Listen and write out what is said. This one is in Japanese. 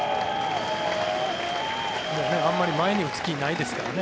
あんまり前に打つ気ないですからね